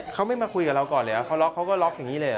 เขาไม่มาคุยกับเราก่อนเหรอเขาล็อกเขาก็ล็อกอย่างนี้เลยเห